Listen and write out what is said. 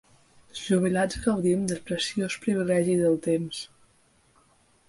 Els jubilats gaudim del preciós privilegi del temps.